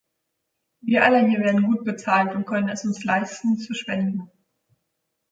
Wir alle hier werden gut bezahlt und können es uns leisten, zu spenden.